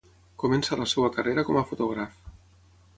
Comença la seua carrera com a fotògraf.